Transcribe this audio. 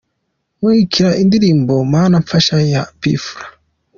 kurikira indirimbo "Mana Mpfasha" ya P Fla.